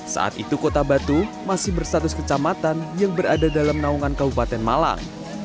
saat itu kota batu masih berstatus kecamatan yang berada dalam naungan kabupaten malang